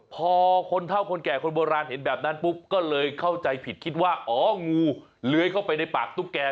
พอคนเท่าคนแก่คนโบราณเห็นแบบนั้นปุ๊บก็เลยเข้าใจผิดคิดว่าอ๋องูเลื้อยเข้าไปในปากตุ๊กแก่